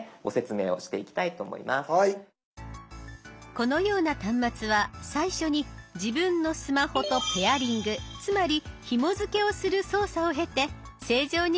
このような端末は最初に自分のスマホとペアリングつまりひもづけをする操作を経て正常に機能するようになります。